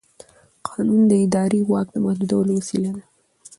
قانون د اداري واک د محدودولو وسیله ده.